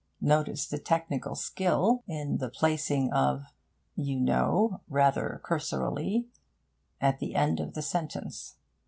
Notice the technical skill in the placing of 'you know, rather cursorily' at the end of the sentence.